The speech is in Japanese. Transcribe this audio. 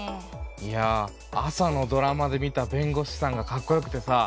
いや朝のドラマで見た弁護士さんがかっこよくてさ。